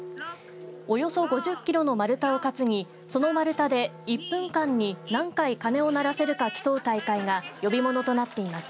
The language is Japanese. およそ５０キロの丸太を担ぎその丸太で１分間に何回鐘を鳴らせるか競う大会が呼び物となっています。